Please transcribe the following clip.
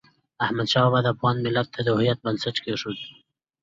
احمد شاه بابا د افغان ملت د هویت بنسټ کېښود.